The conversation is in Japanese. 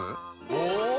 お！